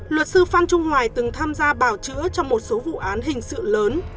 luật sư phan trung hoài từng tham gia bào chữa trong một số vụ án hình sự lớn